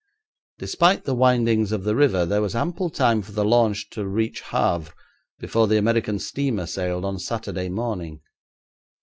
Despite the windings of the river there was ample time for the launch to reach Havre before the American steamer sailed on Saturday morning.